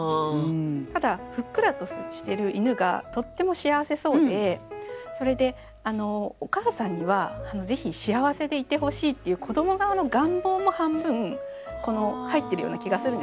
ただふっくらとしてる犬がとっても幸せそうでそれでお母さんにはぜひ幸せでいてほしいっていう子ども側の願望も半分入ってるような気がするんですね。